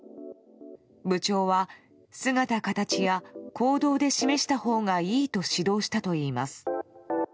部長は姿形や行動で示したほうがいいと指導したといいます。